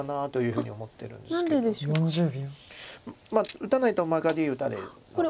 打たないとマガリ打たれて。